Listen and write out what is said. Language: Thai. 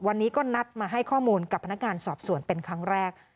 วันนี้ก็นัดมาให้ข้อมูลกับพนักงานสอบสวนเป็นครั้งแรก